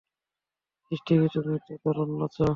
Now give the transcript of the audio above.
স্টিফি, তুমি তো দারুণ নাচো।